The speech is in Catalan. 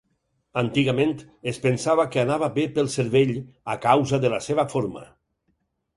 Antigament, es pensava que anava bé pel cervell, a causa de la seva forma.